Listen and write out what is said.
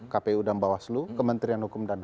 kpu dan bawaslu kementerian hukum dan ham